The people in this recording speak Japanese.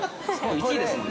１位ですもんね。